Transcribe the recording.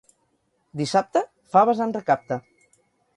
Dissabte, faves en recapte.